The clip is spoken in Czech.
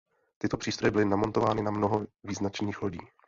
Tyto přístroje byly namontovány na mnoho význačných lodí.